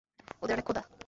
ওদের অনেক ক্ষুধা!